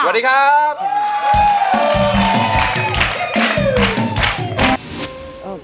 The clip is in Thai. สวัสดีครับ